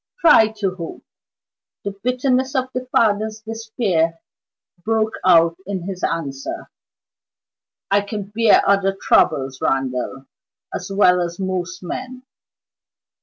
"Try to hope." The bitterness of the father's despair broke out in his answer. "I can bear other troubles, Randal, as well as most men.